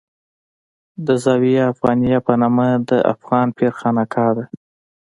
د زاویه افغانیه په نامه د افغان پیر خانقاه ده.